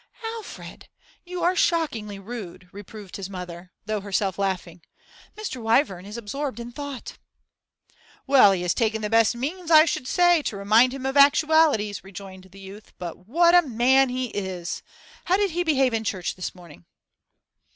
'Alfred, you are shockingly rude,' reproved his mother, though herself laughing. 'Mr. Wyvern is absorbed in thought.' 'Well, he has taken the best means, I should say, to remind himself of actualities,' rejoined the youth. 'But what a man he is! How did he behave in church this morning?